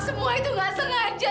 semua itu nggak sengaja